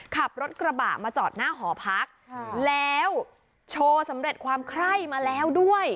ขับรถกระบะมาจอดหน้าหอพักแล้วโชว์สำเร็จความไคร้มาแล้วด้วย